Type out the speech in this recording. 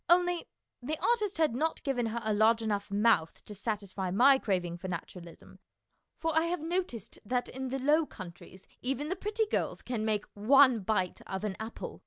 Only the artist had not given her a large enough mouth to satisfy my craving for naturalism, for I have noticed that in the Low Countries even the pretty girls can make one bite of an apple.